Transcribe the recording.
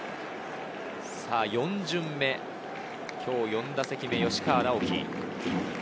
４巡目、今日４打席目、吉川尚輝。